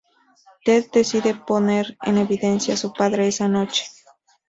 Ted decide poner en evidencia su padre esa noche.